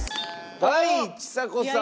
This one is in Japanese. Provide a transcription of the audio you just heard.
はいちさ子さん。